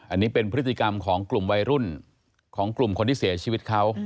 อันนี้เป็นพฤติกรรมของกลุ่มวัยรุ่นของกลุ่มคนที่เสียชีวิตเขา